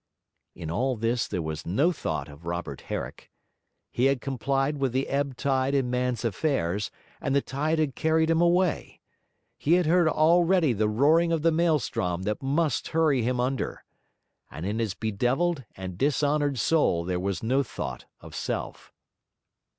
In all this there was no thought of Robert Herrick. He had complied with the ebb tide in man's affairs, and the tide had carried him away; he heard already the roaring of the maelstrom that must hurry him under. And in his bedevilled and dishonoured soul there was no thought of self.